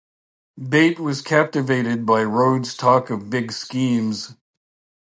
Beit was captivated by Rhodes' talk of 'big schemes'.